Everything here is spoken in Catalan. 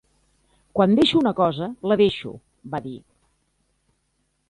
"Quan deixo una cosa, la deixo", va dir.